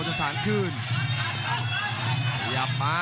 คมทุกลูกจริงครับโอ้โห